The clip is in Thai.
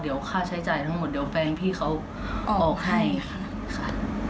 เดี๋ยวค่าใช้จ่ายทั้งหมดเดี๋ยวแฟนพี่เขาออกให้ค่ะ